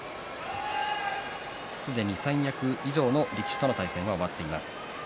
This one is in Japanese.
すでに三役以上の力士との対戦は終わっています。